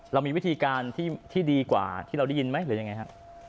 เรามีวิธีการที่ดีกว่าที่เราได้ยินไหมหรือยังไงครับ